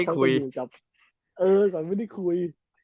ก่อนจากไม่ได้คุย